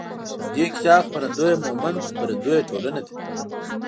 د دې کتاب خپرندویه مومند خپروندویه ټولنه ده.